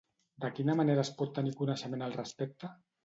De quina manera es pot tenir coneixement al respecte?